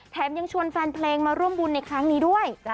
ยังชวนแฟนเพลงมาร่วมบุญในครั้งนี้ด้วย